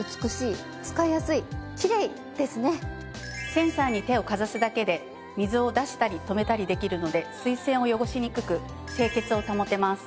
センサーに手をかざすだけで水を出したり止めたりできるので水栓を汚しにくく清潔を保てます。